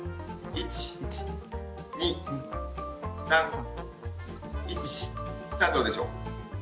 さあどうでしょう。